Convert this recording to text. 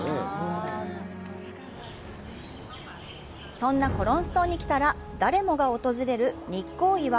そんなコロンス島に来たら、誰もが訪れる日光岩。